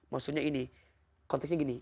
maksudnya ini konteksnya gini